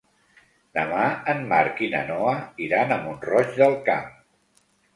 Demà en Marc i na Noa iran a Mont-roig del Camp.